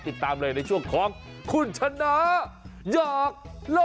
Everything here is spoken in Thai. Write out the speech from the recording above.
ติดตามเลยในช่วงของคุณชนะหยอกโล่